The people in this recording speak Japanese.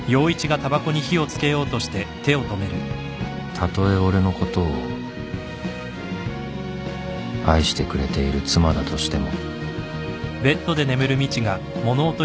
たとえ俺のことを愛してくれている妻だとしても